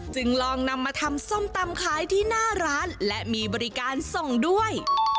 จึงลองนำมาทำส้มตำขายที่หน้าร้านและมีบริการส่งด้วย